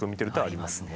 ありますね。